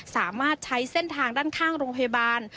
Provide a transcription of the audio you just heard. สามารถใช้เส้นทางด้านข้างโรงพยาบาล